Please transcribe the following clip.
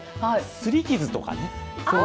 すり傷とかね。